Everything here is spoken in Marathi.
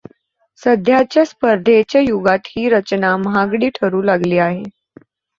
सध्याच्या स्पर्धेच्या युगात ही रचना महागडी ठरू लागली आहे.